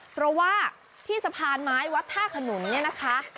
เพราะว่าที่สะพานไม้วัดท่าขนุนเนี่ยนะคะ